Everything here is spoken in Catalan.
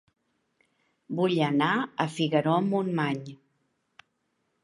Vull anar a Figaró-Montmany